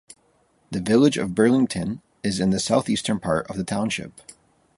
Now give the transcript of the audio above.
The village of Burlington is in the southeastern part of the township.